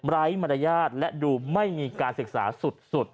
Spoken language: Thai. มารยาทและดูไม่มีการศึกษาสุด